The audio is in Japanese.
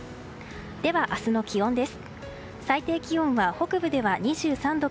では、明日の気温です。